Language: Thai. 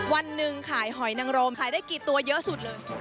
วันหนึ่งขายหอยนังโรมขายได้กี่ตัวเยอะสุดเลย